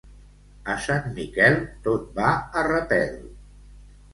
A Sant Miquel tot va a repel.